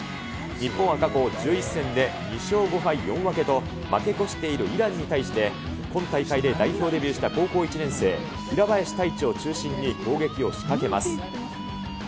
日本は過去１１戦で、２勝５敗４分けと負け越しているイランに対して、今大会で代表デビューした高校１年生、平林太一を中心に攻撃を仕掛けます。